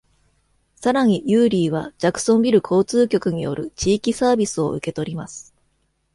さらに、ユーリーはジャクソンビル交通局による地域サービスを受け取ります。